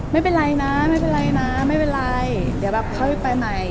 ไม่เป็นไรนะเขาจะไปไหน